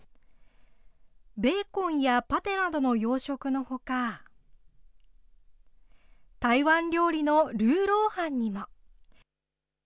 ベーコンやパテなどの洋食のほか、台湾料理のルーローハンにも。